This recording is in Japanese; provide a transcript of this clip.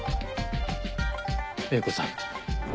英子さん。